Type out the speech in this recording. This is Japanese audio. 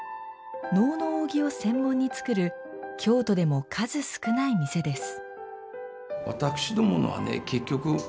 能の扇を専門に作る京都でも数少ない店です。